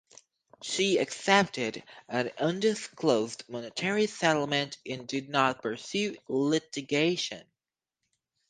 She accepted an undisclosed monetary settlement and did not pursue litigation.